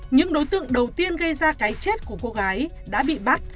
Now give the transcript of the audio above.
những đối tượng đầu tiên gây ra cái chết của cô gái đã bị bắt